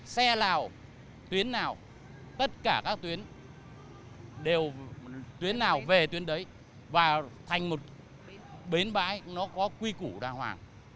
xe nào tuyến nào tất cả các tuyến đều tuyến nào về tuyến đấy và thành một bến bãi nó có quy củ đà hoàng